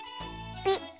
ピッ。